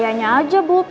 ya si naya aja bu pencuri